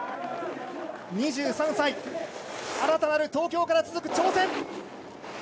２３歳、新たなる東京から続く挑戦。